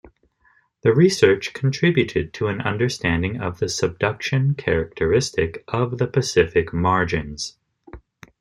The research contributed to an understanding of the subduction characteristic of the Pacific margins.